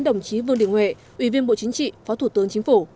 đồng chí vương đình huệ ủy viên bộ chính trị phó thủ tướng chính phủ